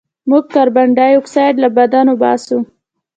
موږ کاربن ډای اکسایډ له بدن وباسو